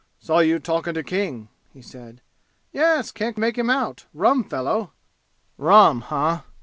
"Saw you talking to King," he said. "Yes. Can't make him out. Rum fellow!" "Rum? Huh!